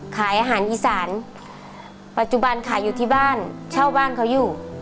ขายอาหารอีสานปัจจุบันขายอยู่ที่บ้านเช่าบ้านเขาอยู่